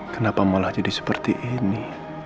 kenapa malah jadi seperti ini